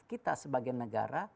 kita sebagai negara